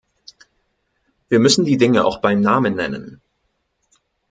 Wir müssen die Dinge auch beim Namen nennen.